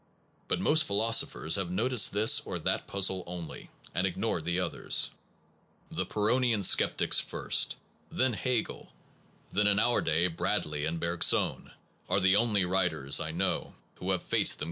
But most philosophers have noticed this or that puzzle only, and ignored the others. The pyrrhonian Sceptics first, then Hegel, 1 then in our day Bradley and Bergson, are the only writers I know who have faced them col Duhem, Milhaud, LeRoy, Wilbois, H.